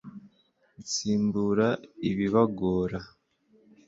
nsimbura ibibagora